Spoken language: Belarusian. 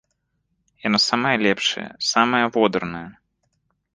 Яна самая лепшая, самая водарная.